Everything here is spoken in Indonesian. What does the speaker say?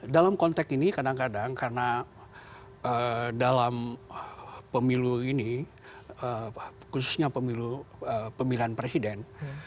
dalam konteks ini kadang kadang karena dalam pemilu ini khususnya pemilihan presiden